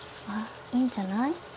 いいんじゃない？